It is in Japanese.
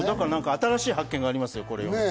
新しい発見がありますよ。